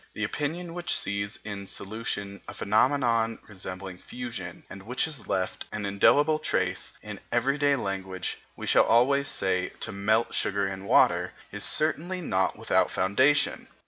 The opinion which sees in solution a phenomenon resembling fusion, and which has left an indelible trace in everyday language (we shall always say: to melt sugar in water) is certainly not without foundation.